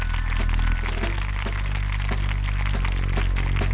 สวัสดีครับ